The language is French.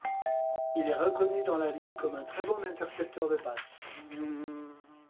Il est reconnu dans la ligue comme un très bon intercepteur de passe.